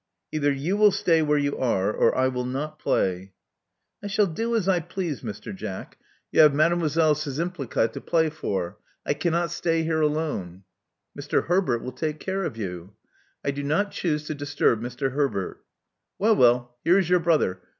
••Either you will stay where you are, or I will not play." ••I shall do as I please, Mr. Jack. You hare I go Love Among the Artists Mademoiselle Szczympliga to play for. I cannot stay here alone.'* Mr. Herbert will take care of you." I do not choose to disturb Mr. Herbert.'* *'Well, well, here is your brother.